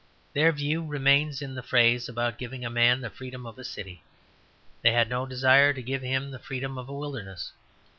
Their view remains in the phrase about giving a man the freedom of a city: they had no desire to give him the freedom of a wilderness.